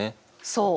そう。